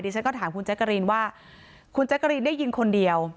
ฉันก็ถามคุณแจ๊กกะรีนว่าคุณแจ๊กกะรีนได้ยินคนเดียว